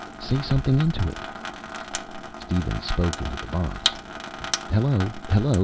"Say something into it." Steven spoke into the box. "Hello! Hello!